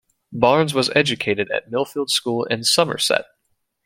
Barnes was educated at Millfield School in Somerset.